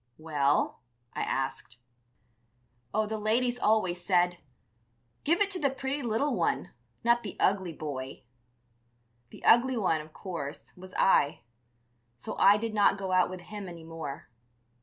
"Well?" I asked. "Oh, the ladies always said, 'Give it to the pretty little one, not the ugly boy.' The ugly one, of course, was I; so I did not go out with him any more.